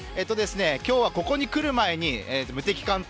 ここに来る前に無敵艦隊